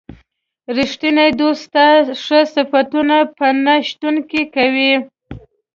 ریښتینی دوست ستا ښه صفتونه په نه شتون کې کوي.